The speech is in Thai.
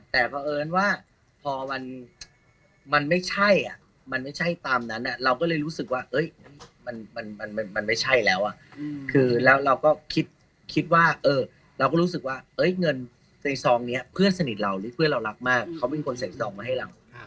แต่เพราะเอิญว่าพอมันไม่ใช่อ่ะมันไม่ใช่ตามนั้นเราก็เลยรู้สึกว่ามันไม่ใช่แล้วคือแล้วเราก็คิดว่าเราก็รู้สึกว่าเงินในซองนี้เพื่อนสนิทเราหรือเพื่อนเรารักมากเขาเป็นคนใส่ซองมาให้เรา